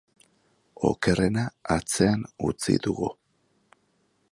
Okerrena atzean utzi dugu.